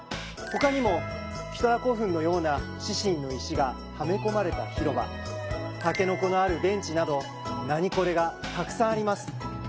他にもキトラ古墳のような四神の石がはめ込まれた広場タケノコのあるベンチなどナニコレがたくさんあります。